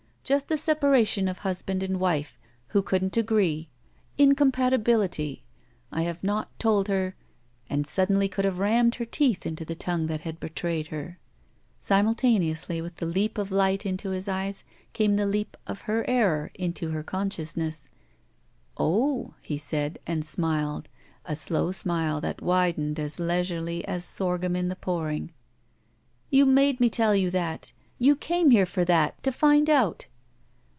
Just the separation of husband and wife — ^who couldn't agree. Incompatibility. I have not told her —" And suddenly could have rammed her teeth into the tongue that had betrayed her. i6s it THE SMUDGE Simultaneously with the leap of light into his eyes came the leap of her eiror into her consciousness. ''Oh/' he said, and smiled, a slow smile that widened as leisurely as sorghtun in the potuing. "You made me tell you that! You came here for that. To find out!"